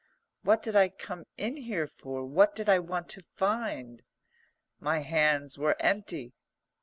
"What did I come in here for? What did I want to find?" My hands were empty.